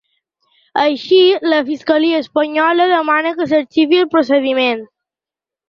Així, la fiscalia espanyola demana que s’arxivi el procediment.